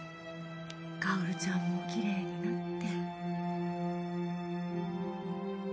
薫ちゃんもきれいになって。